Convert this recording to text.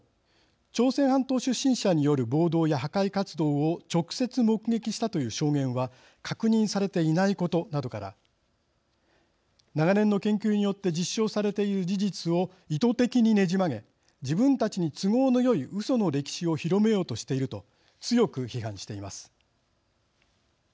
朝鮮半島出身者による暴動や破壊活動を直接目撃したという証言は確認されていないことなどから長年の研究によって実証されている事実を意図的にねじ曲げ、自分たちに都合のよい、うその歴史を広めようとしていると強く批判しています。